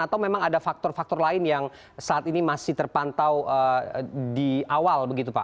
atau memang ada faktor faktor lain yang saat ini masih terpantau di awal begitu pak